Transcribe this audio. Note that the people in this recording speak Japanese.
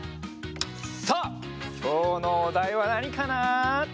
さあきょうのおだいはなにかな？